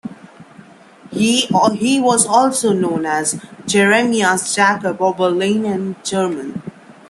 He was also known as Jeremias Jakob Oberlin in German.